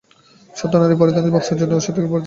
সতী নারীর পরিধানে বস্ত্র জুটে না, অসতী সুবেশ পরিধান করে।